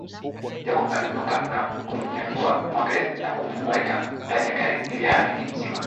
Jacob alitoka na kumnyanyua magreth na kumuweka ndani ya gari ilihali ni mzima